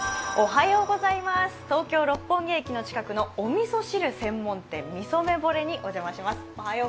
東京・六本木駅の近くのみそ汁専門店、みそめぼれにお邪魔しています。